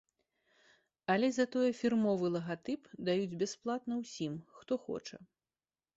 Але затое фірмовы лагатып даюць бясплатна ўсім, хто хоча.